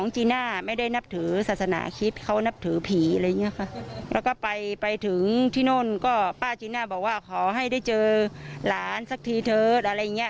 จิ๊น่าบอกว่าขอให้ได้เจอหลานสักทีเถิดอะไรอย่างนี้